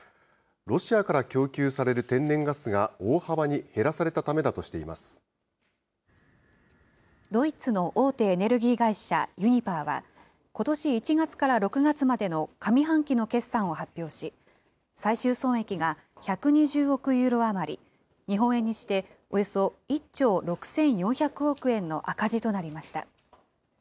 ロシアから供給される天然ガスが大幅に減らされたためだとしていドイツの大手エネルギー会社、ユニパーは、ことし１月から６月までの上半期の決算を発表し、最終損益が１２０億ユーロ余り、日本円にしておよそ１兆６４００億円の赤字となりました。